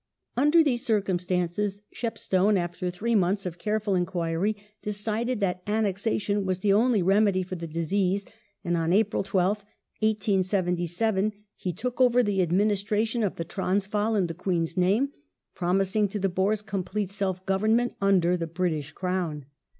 Under these circum stances Shepstone, after three months of cai'eful enquiry, decided that annexation was the only remedy for the disease, and, on April 12th, 1877, he took over the administration of the Transvaal in the Queen's name, promising to the Boers complete self government under the British Crown.